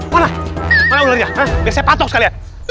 mana mana ularnya biar saya patok sekali